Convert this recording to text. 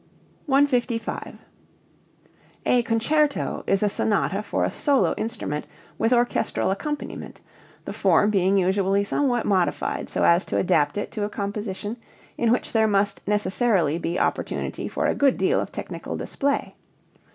155. A concerto is a sonata for a solo instrument with orchestral accompaniment, the form being usually somewhat modified so as to adapt it to a composition in which there must necessarily be opportunity for a good deal of technical display.